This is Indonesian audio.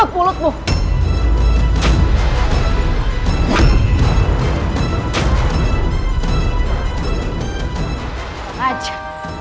jangan lupa like subscribe dan share ya